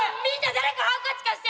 誰かハンカチ貸して！